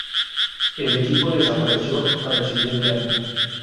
El equipo desapareció para el siguiente año.